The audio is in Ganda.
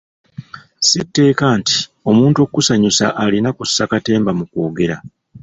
Si tteeka nti omuntu okusanyusa alina kussa katemba mu kwogera.